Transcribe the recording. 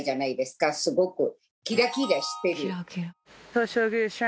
すごくキラキラしてる。